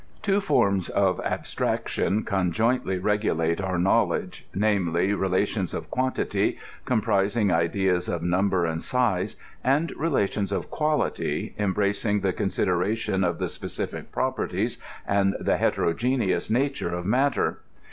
Two forms of abstraction conjointly regulate our knowl edge, namely, relations of quantity ^ comprising ideas of num ber and size, and relations of quality , embracing the consider ation of the specific properties and the heterogeneous nature INTRODUCTION. 76 of matter.